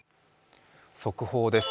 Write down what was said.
速報です。